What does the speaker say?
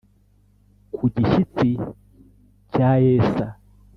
Ku gishyitsi cya Yesa